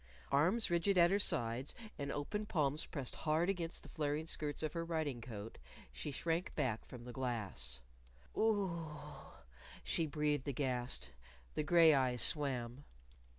Arms rigid at her sides, and open palms pressed hard against the flaring skirts of her riding coat, she shrank back from the glass. "Oo oo!" she breathed, aghast. The gray eyes swam.